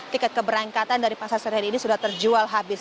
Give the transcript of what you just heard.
tiket keberangkatan dari pasar senen ini sudah terjual habis